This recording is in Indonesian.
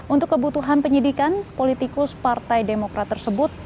untuk kebutuhan penyidikan politikus partai demokrat tersebut